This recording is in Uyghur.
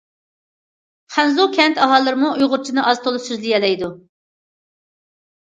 خەنزۇ كەنت ئاھالىلىرىمۇ ئۇيغۇرچىنى ئاز- تولا سۆزلىيەلەيدۇ.